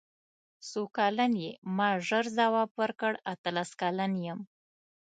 څو کلن یې ما ژر ځواب ورکړ اتلس کلن یم.